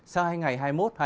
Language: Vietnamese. sau hai ngày tiếp theo